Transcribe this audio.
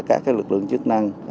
các lực lượng chức năng